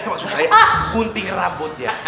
maksud saya gunting rambutnya